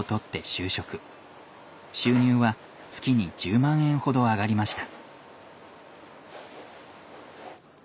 収入は月に１０万円ほど上がりました。